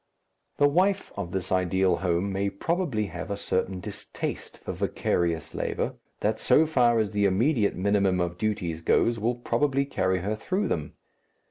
The wife of this ideal home may probably have a certain distaste for vicarious labour, that so far as the immediate minimum of duties goes will probably carry her through them.